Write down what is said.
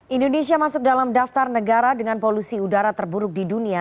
indonesia masuk dalam daftar negara dengan polusi udara terburuk di dunia